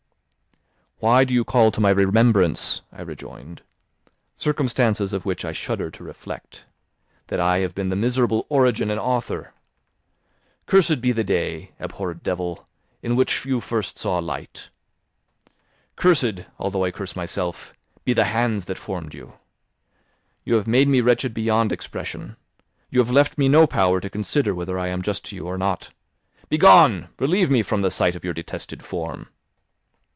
"Why do you call to my remembrance," I rejoined, "circumstances of which I shudder to reflect, that I have been the miserable origin and author? Cursed be the day, abhorred devil, in which you first saw light! Cursed (although I curse myself) be the hands that formed you! You have made me wretched beyond expression. You have left me no power to consider whether I am just to you or not. Begone! Relieve me from the sight of your detested form."